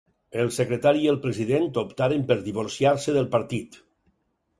El secretari i el president optaren per divorciar-se del partit.